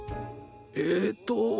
えっと。